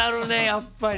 やっぱり。